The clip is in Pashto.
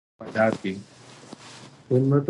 ازادي راډیو د ورزش په اړه د عبرت کیسې خبر کړي.